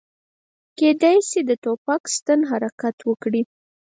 کیدای شي د ټوپک ستن حرکت ونه کړي